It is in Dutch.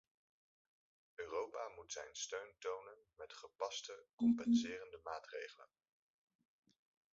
Europa moet zijn steun tonen met gepaste compenserende maatregelen.